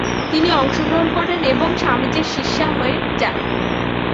তিনি অংশগ্রহণ করেন এবং স্বামীজির শিষ্যা হয়ে যান।